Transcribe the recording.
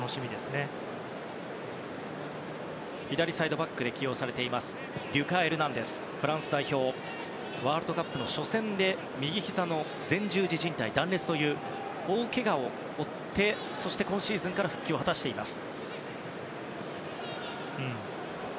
パリの左サイドバックリュカ・エルナンデスはフランス代表でワールドカップ初戦で右ひざの前十字じん帯断裂という大けがを負って、今シーズンから復帰を果たしています。